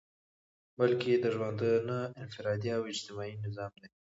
بلكي دژوندانه انفرادي او اجتماعي نظام دى